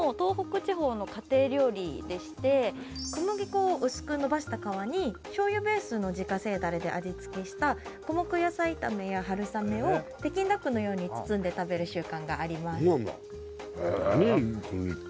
うんうん小麦粉を薄くのばした皮に醤油ベースの自家製ダレで味付けした五目野菜炒めや春雨を北京ダックのように包んで食べる習慣がありますそうなんだへえ！